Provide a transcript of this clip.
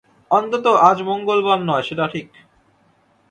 অন্তত আজ মঙ্গলবার নয়, সেটা ঠিক।